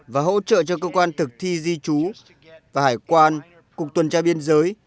và hỗ trợ cho cơ quan thực thi di trú và hải quan cục tuần tra biên giới